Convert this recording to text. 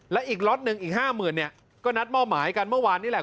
และอีกล็อตหนึ่งอีก๕๐๐๐เนี่ยก็นัดมอบหมายกันเมื่อวานนี่แหละ